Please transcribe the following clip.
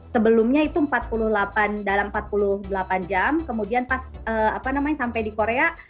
sebelumnya itu dalam empat puluh delapan jam kemudian sampai di korea